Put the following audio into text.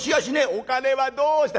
「お金はどうした」。